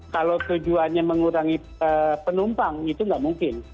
kalau tujuannya mengurangi penumpang itu nggak mungkin